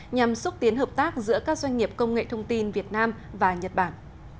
nhằm xúc tiến hợp tác giữa các doanh nghiệp công nghệ thông tin việt nam và nhật bản